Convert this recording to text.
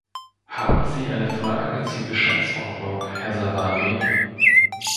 Haben Sie eine Frage zur Geschäftsordnung, Herr Savary?